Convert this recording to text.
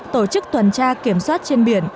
tổ chức tuần tra kiểm soát trên biển